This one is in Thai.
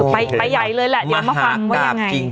ไปใหญ่เลยแหละเดี๋ยวมาฟังว่ายังไงมหากราบจริง